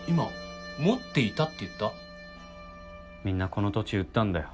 みんなこの土地売ったんだよ